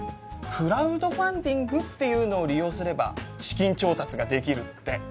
クラウドファンディングっていうのを利用すれば資金調達ができるって。